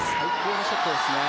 ナイスショットですね。